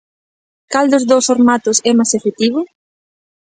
Cal dos dous formatos é máis efectivo?